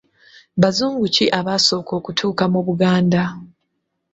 Bazungu ki abaasooka okutuuka mu Buganda?